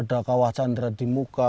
ada kawah chandra di muka